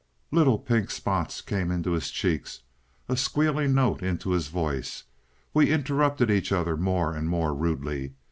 Little pink spots came into his cheeks, a squealing note into his voice. We interrupted each other more and more rudely.